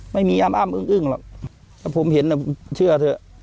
ไม่มีอามอ้ามอึ้งอึ้งหรอกถ้าผมเห็นเชื่อเถอะ